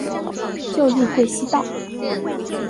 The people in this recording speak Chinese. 旧隶贵西道。